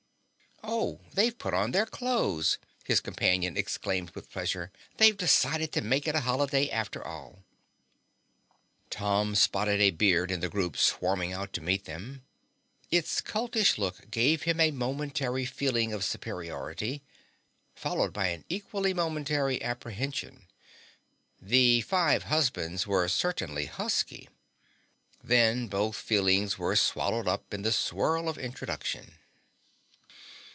"Oh, they've put on their clothes," his companion exclaimed with pleasure. "They've decided to make it a holiday after all." Tom spotted a beard in the group swarming out to meet them. Its cultish look gave him a momentary feeling of superiority, followed by an equally momentary apprehension the five husbands were certainly husky. Then both feelings were swallowed up in the swirl of introduction.